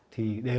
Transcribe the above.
đều đau đớn